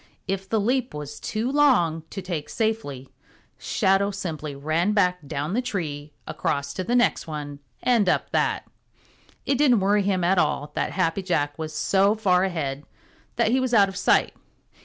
If the leap was too long to take safely, Shadow simply ran back down the tree, across to the next one and up that. It didn't worry him at all that Happy Jack was so far ahead that he was out of sight.